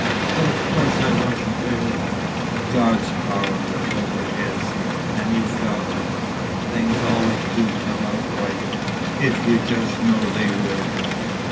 But of course I wasn't really. God's power was over his, and he felt it. Things always do come out right, if you just know they will."